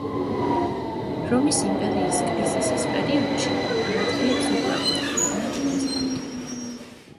რომის იმპერიის კრიზისის პერიოდში ამ ადგილებს უკვე აკონტროლებდნენ ვესტგუთები.